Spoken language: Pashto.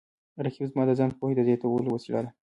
رقیب زما د ځان پوهې د زیاتولو وسیله ده